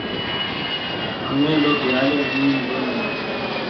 انگیلو بِیالی اَنگُوئی نی بونینا۔